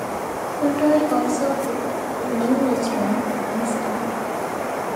Totoy also put up a new restaurant in Sta.